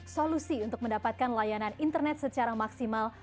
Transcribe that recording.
solusi untuk mendapatkan layanan internet secara maksimal